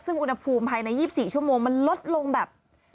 ซึ่งอุณหภูมิภายใน๒๔ชั่วโมงมันลดลงแบบ